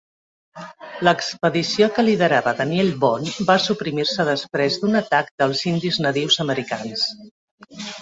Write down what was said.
L'expedició que liderava Daniel Boone va suprimir-se després d'un atac dels indis nadius americans.